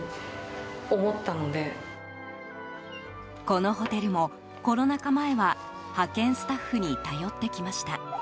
このホテルもコロナ禍前は派遣スタッフに頼ってきました。